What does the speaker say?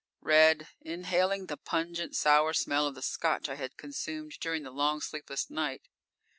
Read, inhaling the pungent, sour smell of the Scotch I had consumed during the long, sleepless night.